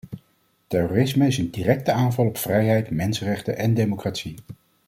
Terrorisme is een directe aanval op vrijheid, mensenrechten en democratie.